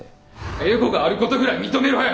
エゴがあることぐらい認めろよ！